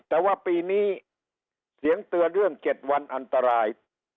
แต่ว่าปีนี้เสียงเตือนเรื่อง๗วันอันตราย